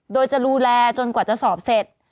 โดยจะดูแลจนกว่าจะสอบเสร็จ